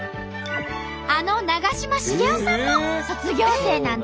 あの長嶋茂雄さんも卒業生なんだって。